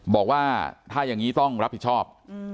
บอกว่าถ้าอย่างนี้ต้องรับผิดชอบ